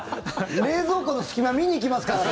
冷蔵庫の隙間見に行きますからね！